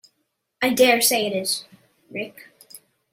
I dare say it is, Rick.